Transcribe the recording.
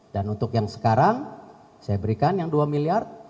untuk yang sekarang saya berikan yang dua miliar